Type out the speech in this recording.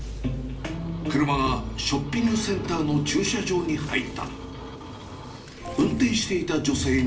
車がショッピングセンターの駐車場に入った。